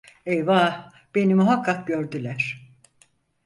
Eyvah, beni muhakkak gördüler…